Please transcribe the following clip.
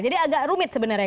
jadi agak rumit sebenarnya